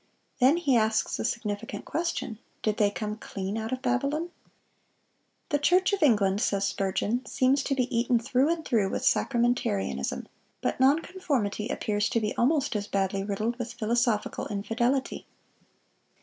Then he asks the significant question, "Did they come clean out of Babylon?"(633) "The Church of England," says Spurgeon, "seems to be eaten through and through with sacramentarianism; but non conformity appears to be almost as badly riddled with philosophical infidelity.